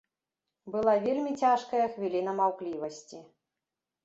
Была вельмі цяжкая хвіліна маўклівасці.